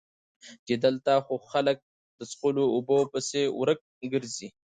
چې دلته خو خلک د څښلو اوبو پسې ورک ګرځي